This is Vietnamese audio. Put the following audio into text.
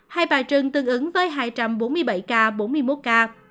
hai bà trưng tương ứng với hai trăm bốn mươi bảy ca